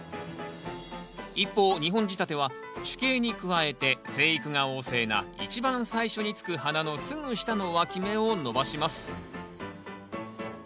一方２本仕立ては主茎に加えて生育が旺盛な一番最初につく花のすぐ下のわき芽を伸ばします。